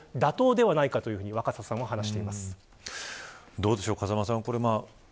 どうでしょう、風間さん